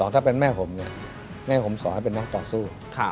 ถ้าเป็นแม่ผมเนี่ยแม่ผมสอนให้เป็นนักต่อสู้